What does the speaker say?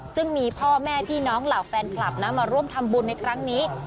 ซึ่งมีพ่อแม่พี่น้องเหล่าแฟนคลับนะมาร่วมทำบุญในครั้งนี้